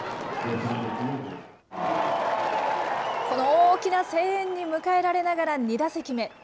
この大きな声援に迎えられながら２打席目。